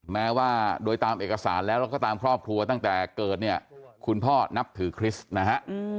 แม้ว่าโดยตามเอกสารแล้วแล้วก็ตามครอบครัวตั้งแต่เกิดเนี่ยคุณพ่อนับถือคริสต์นะฮะ